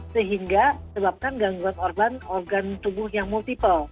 sehingga sebabkan gangguan organ tubuh yang multiple